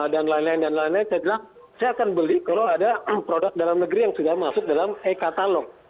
dan lain lain saya bilang saya akan beli kalau ada produk dalam negeri yang sudah masuk dalam e katalog